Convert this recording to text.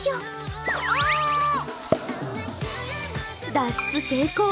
脱出成功。